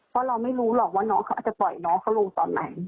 เพราะเราไม่รู้หรอกว่าน้องเขาอาจจะปล่อยน้องเขาลงตอนไหน